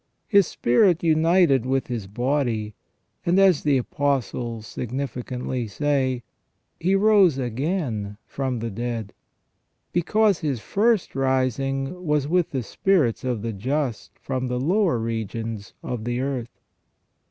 His spirit united with His body, and as the Apostles significantly say, " He arose again from the dead," because His first rising was with the spirits of the just from the lower regions of the earth.